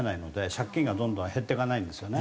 借金がどんどん減っていかないんですよね。